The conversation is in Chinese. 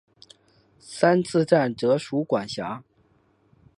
三次站则属管辖。